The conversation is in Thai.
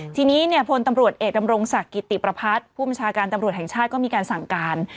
ทีนี้เนี่ยพลตำรวจเอกดำรงศักดิ์กิติประพัฒน์ผู้บัญชาการตำรวจแห่งชาติก็มีการสั่งการ